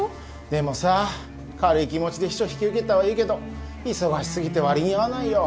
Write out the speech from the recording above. でもさ軽い気持ちで秘書引き受けたはいいけど忙し過ぎて割に合わないよ。